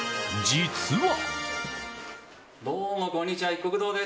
実は。